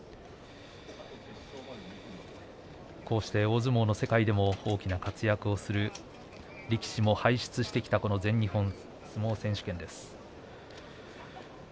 こうしてお相撲の世界でも大きな活躍をする力士も輩出してきた日本相撲選手権です。